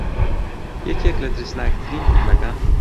یەکێک لە ترسناکترین فیلمەکان